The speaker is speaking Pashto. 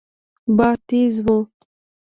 باد تېز و.